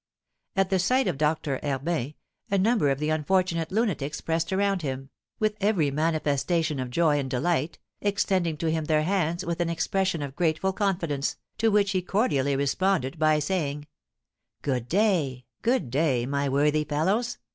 At the sight of Doctor Herbin a number of the unfortunate lunatics pressed around him, with every manifestation of joy and delight, extending to him their hands with an expression of grateful confidence, to which he cordially responded, by saying: "Good day good day, my worthy fellows!